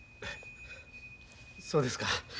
そうですか。